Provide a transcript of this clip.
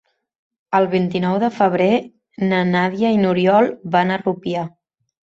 El vint-i-nou de febrer na Nàdia i n'Oriol van a Rupià.